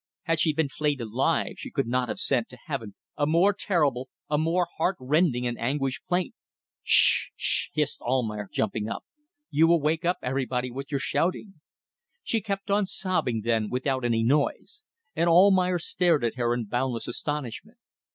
Had she been flayed alive she could not have sent to heaven a more terrible, a more heartrending and anguished plaint. "Sh! Sh!" hissed Almayer, jumping up. "You will wake up everybody with your shouting." She kept on sobbing then without any noise, and Almayer stared at her in boundless astonishment.